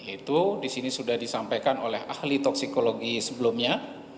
itu disini sudah disampaikan oleh ahli toksikologi sebelumnya